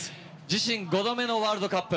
自身４度目のワールドカップ